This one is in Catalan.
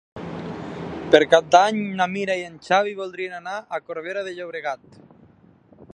Per Cap d'Any na Mira i en Xavi voldrien anar a Corbera de Llobregat.